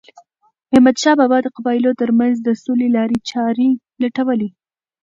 احمدشاه بابا د قبایلو ترمنځ د سولې لارې چارې لټولې.